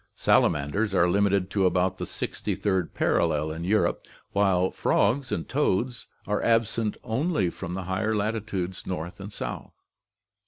Salamanders are limited to about the sixty third parallel in Europe, while frogs and toads are absent only from the higher latitudes north and south.